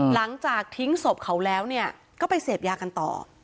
หลังจากทิ้งศพเขาแล้วเนี่ยก็ไปเสพยากันต่อ